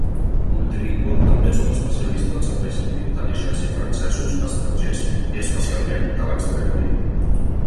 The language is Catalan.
Multilingüe, també és un especialista en serveis d'intel·ligència francesos, estrangers i, especialment, de l'Extrem Orient.